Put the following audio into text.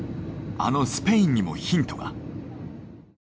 あのスペインにもヒントが。